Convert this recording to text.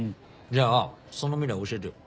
じゃあその未来教えてよ。